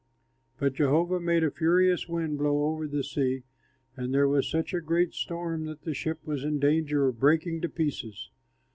But Jehovah made a furious wind blow over the sea, and there was such a great storm that the ship was in danger of breaking to pieces.